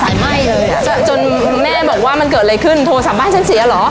ไหม้เลยอ่ะจนคุณแม่บอกว่ามันเกิดอะไรขึ้นโทรศัพท์บ้านฉันเสียเหรอ